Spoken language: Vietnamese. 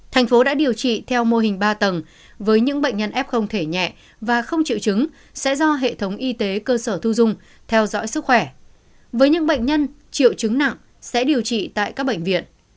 thành phố đã điều trị theo mô hình ba tầng với những bệnh nhân f thể nhẹ và không chịu chứng sẽ do hệ thống y tế cơ sở thu dung theo dõi sức khỏe với những bệnh nhân triệu chứng nặng sẽ điều trị tại các bệnh viện